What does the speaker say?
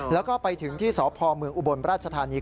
แล้วก็ไปถึงที่สพเมืองอุบลราชธานี